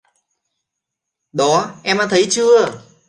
Đó em đã thấy chưa